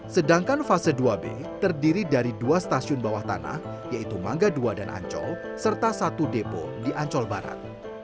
sedangkan fase dua b terdiri dari dua stasiun bawah tanah yaitu mangga ii dan ancol serta satu depo di ancol barat